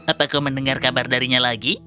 apa kau mendengar kabar darinya lagi